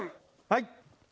はい！